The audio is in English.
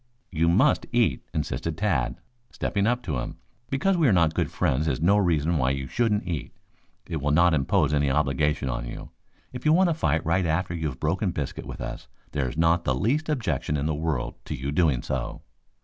"You must eat," insisted Tad, stepping up to him. "Because we are not good friends is no reason why you shouldn't eat. It will not impose any obligation on you. If you want to fight right after you have broken biscuit with us there's not the least objection in the world to your doing so."